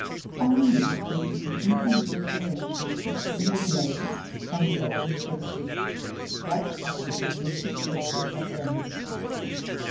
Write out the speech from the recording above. § XVIII. Finally: there is an intermediate arrangement between the glazed and the open tracery, that of the domestic traceries of Venice.